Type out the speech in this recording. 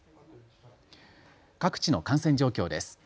各地の感染状況です。